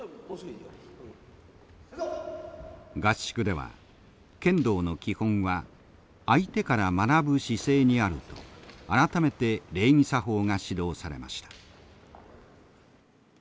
合宿では剣道の基本は相手から学ぶ姿勢にあると改めて礼儀作法が指導されました。